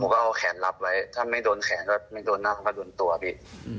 ก็เอาแขนรับไว้ถ้าไม่โดนแขนก็ไม่โดนหน้าเขาก็โดนตัวพี่